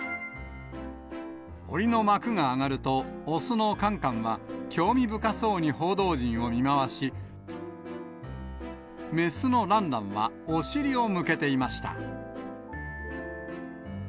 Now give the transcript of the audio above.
おりの幕が上がると、雄のカンカンは、興味深そうに報道陣を見回し、雌のランランは、お尻を向けていました。